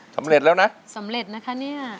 สำเร็จแล้วนะสำเร็จนะคะเนี่ย